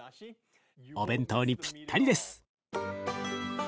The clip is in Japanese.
お弁当にぴったりです！